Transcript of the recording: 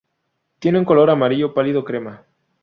Tiene un color amarillo pálido crema.